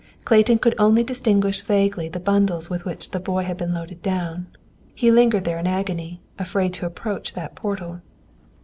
Ciayton could only distinguish vaguely the bundles with which the boy had been loaded down. He lingered there in agony, afraid to approach that portal.